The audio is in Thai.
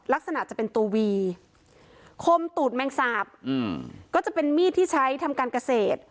ลักษณะจะเป็นตัววีคมตูดแมงสาปก็จะเป็นมีดที่ใช้ทำการเกษตร